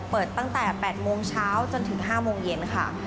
เปิดตั้งแต่๘โมงเช้าจนถึง๕โมงเย็นค่ะ